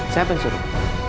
siapa yang suruh